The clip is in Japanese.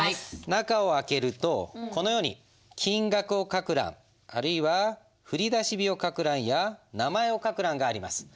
中を開けるとこのように金額を書く欄あるいは振出日を書く欄や名前を書く欄があります。